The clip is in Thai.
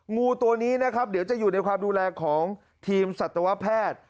งูตัวนี้นะครับเดี๋ยวจะอยู่ในความดูแลของทีมสัตวแพทย์